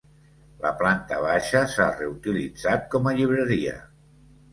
La planta baixa s'ha reutilitzat com a llibreria.